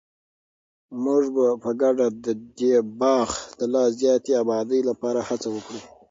موږ به په ګډه د دې باغ د لا زیاتې ابادۍ لپاره هڅه وکړو.